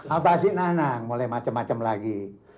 apa sih nanang mulai macem macem lagi